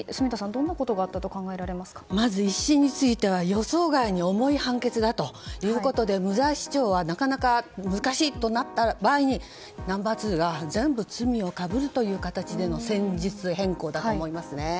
どんなことがあったとまず１審については予想外に重い判決だということで無罪主張はなかなか難しいとなった場合にナンバー２が全部罪をかぶるという形への戦術変更だと思いますね。